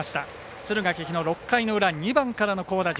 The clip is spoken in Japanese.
敦賀気比の６回の裏２番からの好打順。